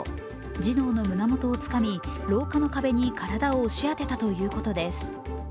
児童の胸元をつかみ廊下の壁に体を押し当てたということです。